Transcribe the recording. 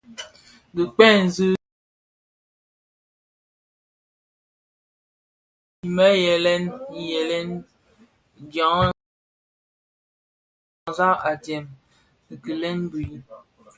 Dhi pezi dhigōn bi zi mě yilè yilen tyanzak tyañzak a djee a kilèn, bhui,